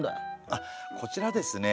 あっこちらですね